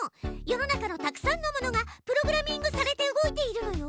世の中のたくさんのものがプログラミングされて動いているのよ。